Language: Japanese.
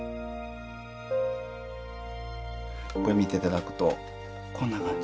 これ見て頂くとこんな感じ。